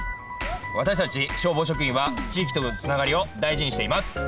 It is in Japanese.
私たち消防職員は地域とのつながりを大事にしています。